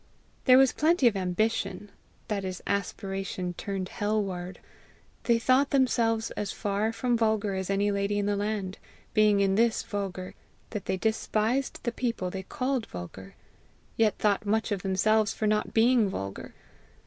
There was plenty of ambition, that is, aspiration turned hell ward. They thought themselves as far from vulgar as any lady in any land, being in this vulgar that they despised the people they called vulgar, yet thought much of themselves for not being vulgar.